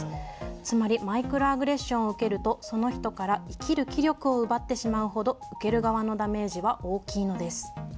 つまりマイクロアグレッションを受けるとその人から生きる気力を奪ってしまうほど受ける側のダメージは大きいのです。